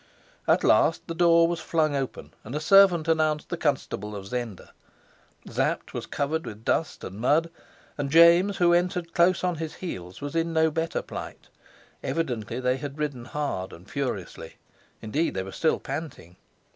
At last the door was flung open, and a servant announced the Constable of Zenda. Sapt was covered with dust and mud, and James, who entered close on his heels, was in no better plight. Evidently they had ridden hard and furiously; indeed they were still panting.